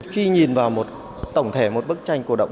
khi nhìn vào một tổng thể một bức tranh cổ động